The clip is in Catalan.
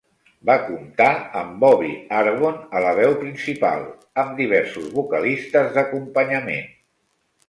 Va comptar amb Bobby Arvon a la veu principal, amb diversos vocalistes d'acompanyament.